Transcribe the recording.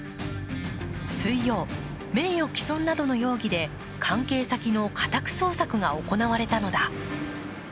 水曜、名誉毀損などの容疑で関係先の家宅捜索が行われたのだ。